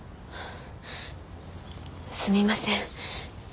すみません。